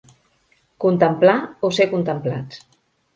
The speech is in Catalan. Contemplar o ser contemplats.